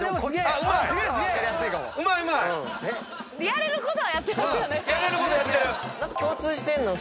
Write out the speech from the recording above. うまいうまい！やれることはやってますよね。